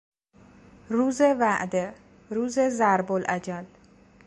روز وعده، روز ضرب الاجل